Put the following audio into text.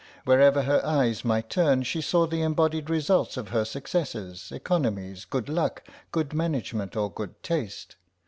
Wherever her eyes might turn she saw the embodied results of her successes, economies, good luck, good management or good taste.